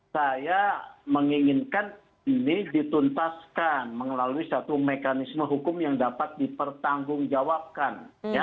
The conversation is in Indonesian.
saya menginginkan ini dituntaskan melalui satu mekanisme hukum yang dapat dipertanggungjawabkan